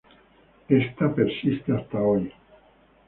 Esta persiste hasta hoy.